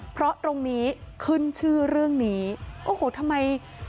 เพราะตรงนี้ขึ้นชื่อเรื่องนี้โอ้โหทำไม